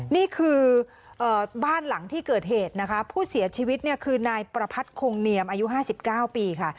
นี่คือบ้านหลังที่เกิดเหตุนะคะผู้เสียชีวิตเนี่ยคือนายประพัทธ์คงเนียมอายุ๕๙ปีค่ะ